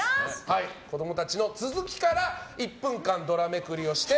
子供たちの続きから１分間ドラめくりをして。